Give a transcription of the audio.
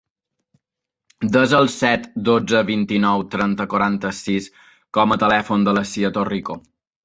Desa el set, dotze, vint-i-nou, trenta, quaranta-sis com a telèfon de la Sia Torrico.